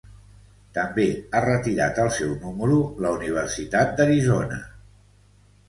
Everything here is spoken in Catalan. També ha retirat el seu número la Universitat d'Arizona.